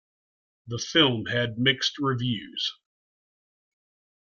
The film had mixed reviews.